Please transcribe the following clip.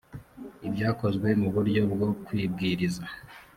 ibyakozwe mu buryo bwo kwibwiriza